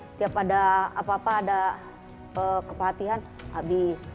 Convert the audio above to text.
setiap ada apa apa ada kepatihan habis